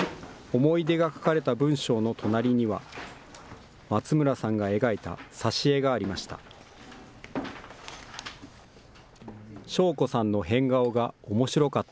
思い出が書かれた文章の隣には、松村さんが描いた挿絵がありました。